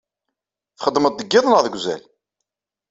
Txeddmeḍ deg iḍ neɣ deg uzal?